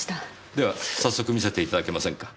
では早速見せていただけませんか。